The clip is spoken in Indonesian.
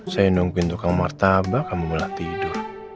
saya nungguin tukang martabak kamu mulak tidur